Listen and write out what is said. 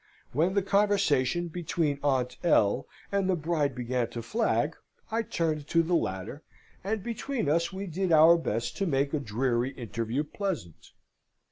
When the conversation between Aunt L. and the bride began to flag, I turned to the latter, and between us we did our best to make a dreary interview pleasant.